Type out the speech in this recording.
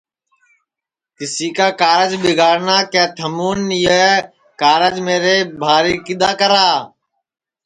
کیسی کا کارج ٻیگاڑنا کہ تھمُون یہ کارج میرے بھاری کِدؔا کرا